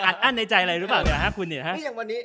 อัดอั้นในใจอะไรหรือเปล่าเนี่ยฮะคุณเนี่ยฮะ